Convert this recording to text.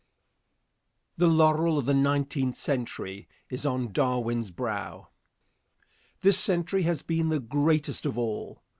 The laurel of the nineteenth century is on Darwin's brow. This century has been the greatest of all.